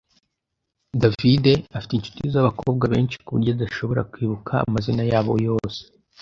David afite inshuti zabakobwa benshi kuburyo adashobora kwibuka amazina yabo yose.